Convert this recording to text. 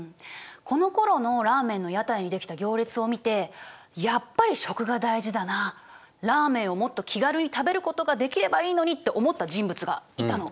このころのラーメンの屋台にできた行列を見てやっぱり食が大事だなラーメンをもっと気軽に食べることができればいいのにって思った人物がいたの。